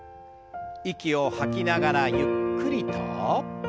息を吐きながらゆっくりと。